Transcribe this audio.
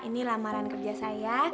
ini lamaran kerja saya